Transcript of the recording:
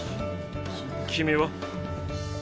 君は？